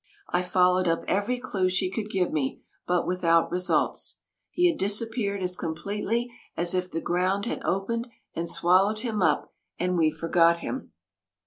I followed up every clue she could give me, but without results. He had disappeared as completely as if the ground had opened and swallowed him up, and we forgot him.